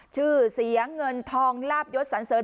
ชื่อเสียงเงินทองลาบยศสันเสริญ